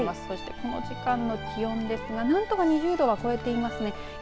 そして、この時間の気温ですが何とか２０度は超えていますね。